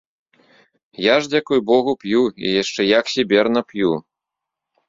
Я ж, дзякуй богу, п'ю, і яшчэ як сіберна п'ю!